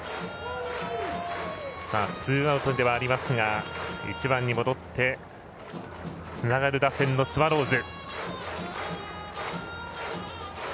ツーアウトではありますが１番に戻ってつながる打線のスワローズ。